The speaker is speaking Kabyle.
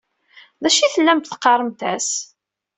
D acu i tellamt teqqaṛemt-as?